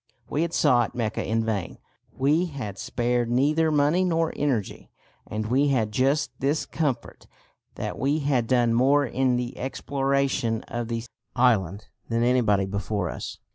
We had sought Mecca in vain. We had spared neither money nor energy; and we had just this comfort, that we had done more in the exploration of the island than anybody before us.